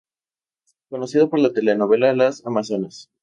Conocido por la telenovela "Las Amazonas".